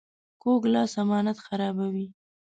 کوږ لاس امانت خرابوي